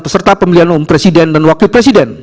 peserta pemilihan umum presiden dan wakil presiden